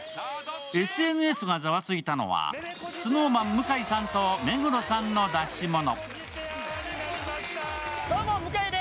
ＳＮＳがざわついたのは、ＳｎｏｗＭａｎ・向井さんと目黒さんの出し物。